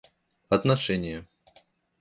отношения